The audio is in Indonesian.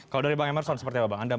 kalau dari bang emerson seperti apa bang